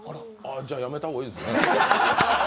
じゃやめた方がいいですよ。